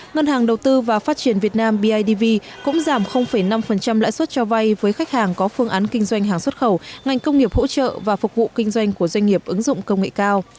ngân hàng đầu tư và phát triển việt nam bidv cũng giảm năm lãi suất cho vay với khách hàng có phương án kinh doanh hàng xuất khẩu ngành công nghiệp hỗ trợ và phục vụ kinh doanh của doanh nghiệp ứng dụng công nghệ cao